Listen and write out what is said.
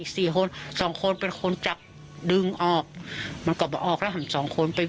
อีก๔คน๒คนเป็นคนจับดึงออกมันก็ออกแล้วทำ๒คนไป